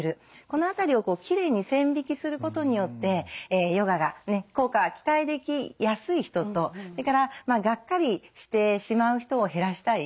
この辺りをきれいに線引きすることによってヨガがね効果が期待できやすい人とそれからがっかりしてしまう人を減らしたい。